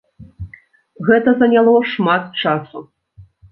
Гэта заняло шмат часу.